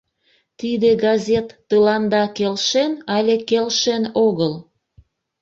Тиде газет тыланда келшен але келшен огыл?